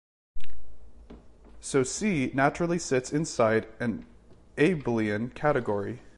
So "C" naturally sits inside an abelian category.